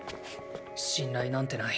信頼なんてない！